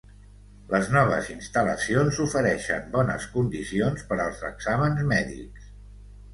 Les noves instal·lacions ofereixen bones condicions per als exàmens mèdics.